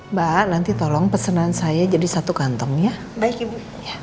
mbak nanti tolong pesanan saya jadi satu kantong ya baik ibu